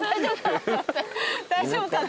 大丈夫かなと。